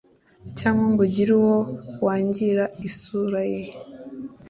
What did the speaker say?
cyangwa ngo ugire uwo wangira isura ye